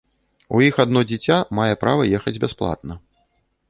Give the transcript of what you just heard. У іх адно дзіця мае права ехаць бясплатна.